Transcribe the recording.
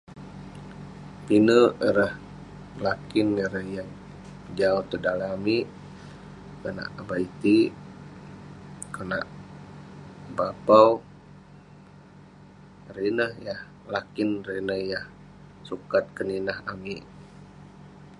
Pinek ireh lakin ireh yah jau tong daleh amik konak aban itik konak bapau ireh ineh lakin ireh yah sukat nat amik